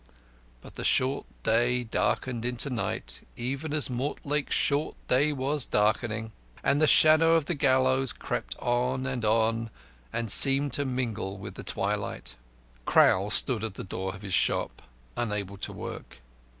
But the short day darkened into night even as Mortlake's short day was darkening. And the shadow of the gallows crept on and on, and seemed to mingle with the twilight. Crowl stood at the door of his shop, unable to work.